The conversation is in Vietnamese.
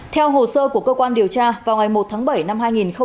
theo hồ sơ của cơ quan điều tra vào ngày một tháng bảy năm hai nghìn một mươi bảy